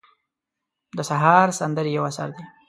د سهار سندرې یو اثر دی.